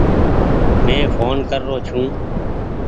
مين ڦون ڪر رو ڇون ۔